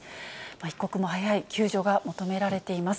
一刻も早い救助が求められています。